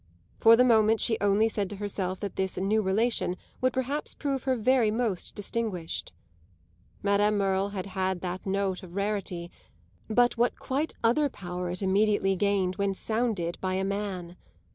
For the moment she only said to herself that this "new relation" would perhaps prove her very most distinguished. Madame Merle had had that note of rarity, but what quite other power it immediately gained when sounded by a man!